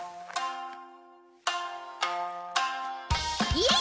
イエイ！